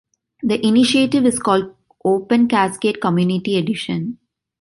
The initiative is called Open Cascade Community Edition.